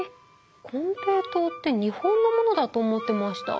金平糖って日本のものだと思ってました。